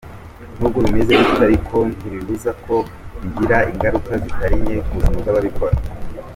Nubwo bimeze bityo ariko ntibibuza ko bigira ingaruka zitari nke ku buzima bw’ababikora.